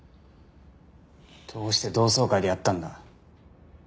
どうして同窓会でやったんだ？